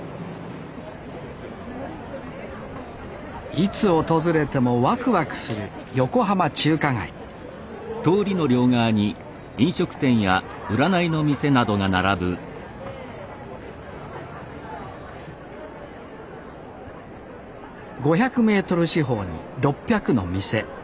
いつ訪れてもわくわくする横浜中華街５００ｍ四方に６００の店。